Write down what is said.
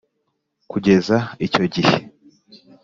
Kugeza icyo gihe,